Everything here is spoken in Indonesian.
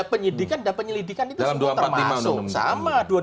penyidikan dan penyelidikan itu semua termasuk sama